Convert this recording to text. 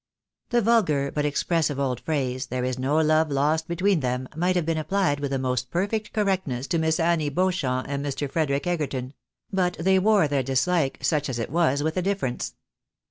The vulgar, but expressive, old phrase, " There is no love lost be tween them," might have been applied with the most perfect correct ness to Miss Annie Beauchamp and Mr. Frederic Egerton ; but they wore their dislike, such as it was, with a difference.